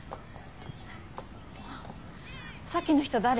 さっきの人誰？